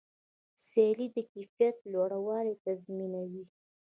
سیالي د کیفیت لوړوالی تضمینوي.